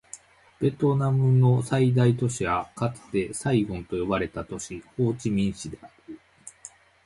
ベトナムの最大都市はかつてサイゴンと呼ばれた都市、ホーチミン市である